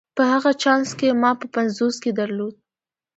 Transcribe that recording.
په هغه چانس کې چې ما په پنځوسو کې درلود.